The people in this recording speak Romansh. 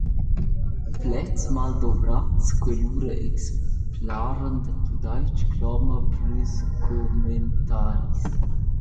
Pleds maldovrats Quell’ura exemplara da tudais-ch cloma plüs commentaris.